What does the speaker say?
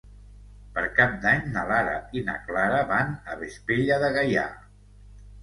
Per Cap d'Any na Lara i na Clara van a Vespella de Gaià.